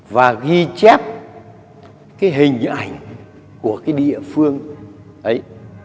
và ghi chép cái hình ảnh của cái địa phương ấy